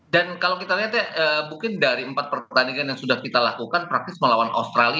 dan kalau kita lihat ya mungkin dari empat pertandingan yang sudah kita lakukan praktis melawan australia